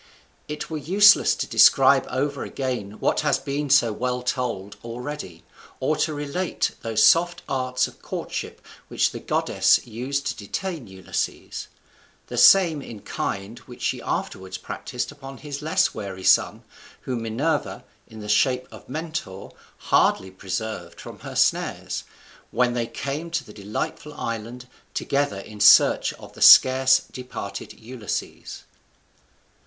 It were useless to describe over again what has been so well told already; or to relate those soft arts of courtship which the goddess used to detain Ulysses; the same in kind which she afterwards practised upon his less wary son, whom Minerva, in the shape of Mentor, hardly preserved from her snares, when they came to the Delightful Island together in search of the scarce departed Ulysses.